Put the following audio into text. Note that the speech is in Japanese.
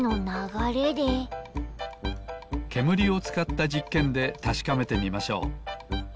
けむりをつかったじっけんでたしかめてみましょう。